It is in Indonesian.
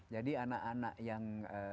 jadi anak anak yang